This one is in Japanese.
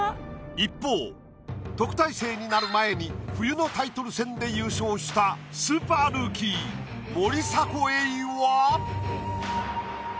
一方特待生になる前に冬のタイトル戦で優勝したスーパールーキー森迫永依は？